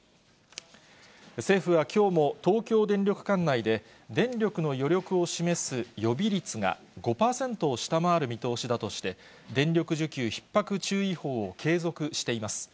政府はきょうも東京電力管内で、電力の余力を示す予備率が５％を下回る見通しだとして、電力需給ひっ迫注意報を継続しています。